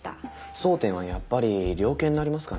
争点はやっぱり量刑になりますかね。